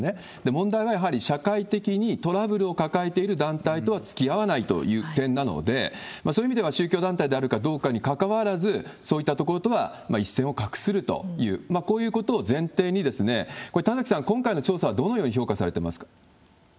問題はやはり、社会的にトラブルを抱えている団体とはつきあわないという点なので、そういう意味では、宗教団体であるかどうかにかかわらず、そういった所とは一線を画するという、こういうことを前提に、これ、田崎さん、今回の調査はどのように評価されてますか？